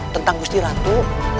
tentang gusti ratu